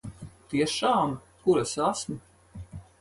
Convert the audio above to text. Tiešām? Kur es esmu?